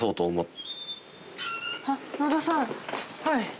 はい。